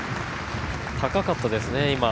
高かったですね。